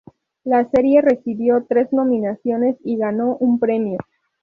La serie recibió tres nominaciones y ganó un premio.